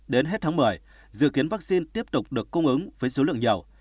đến hết tháng một mươi dự kiến vaccine tiếp tục được cung ứng với số lượng nhiều